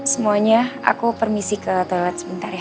semuanya aku permisi ke toilet sebentar ya